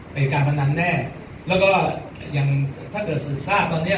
เป็นการพนันแน่แล้วก็อย่างถ้าเกิดสืบทราบตอนเนี้ย